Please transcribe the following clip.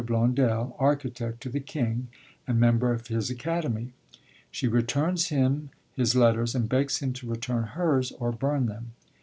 Blondel, architect to the King, and member of his Academy'; she returns him his letters, and begs him to return hers, or burn them.